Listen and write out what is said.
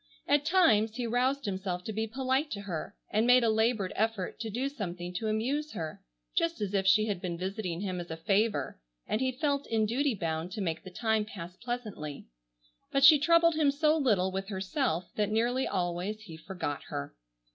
At times he roused himself to be polite to her, and made a labored effort to do something to amuse her, just as if she had been visiting him as a favor and he felt in duty bound to make the time pass pleasantly, but she troubled him so little with herself, that nearly always he forgot her.